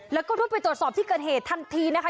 แล้วก็รุดไปตรวจสอบที่เกิดเหตุทันทีนะคะ